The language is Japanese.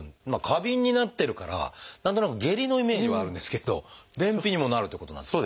過敏になってるから何となく下痢のイメージはあるんですけど便秘にもなるってことなんですか？